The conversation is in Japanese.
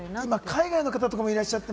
海外の方とかもいらっしゃっ